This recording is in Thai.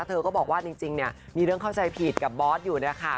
เธอก็บอกว่าจริงเนี่ยมีเรื่องเข้าใจผิดกับบอสอยู่เนี่ยค่ะ